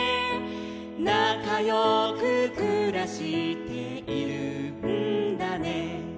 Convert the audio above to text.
「なかよくくらしているんだね」